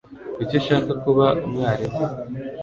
Kuki ushaka kuba umwarimu?